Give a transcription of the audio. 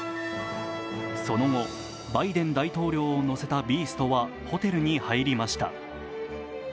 その後、バイデン大統領を乗せたビーストはホテルに入りました。